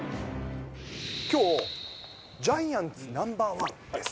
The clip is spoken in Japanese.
きょう、ジャイアンツＮｏ．１です。